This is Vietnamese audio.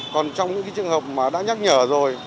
còn trong những cái trường hợp mà đã nhắc nhở rồi